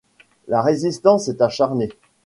La résistance est acharnée.